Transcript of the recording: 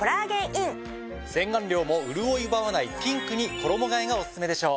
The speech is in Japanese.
洗顔料もうるおい奪わないピンクに衣替えがオススメでしょう。